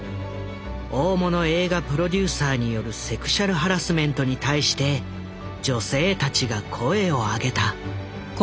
大物映画プロデューサーによるセクシャルハラスメントに対して女性たちが声を上げた。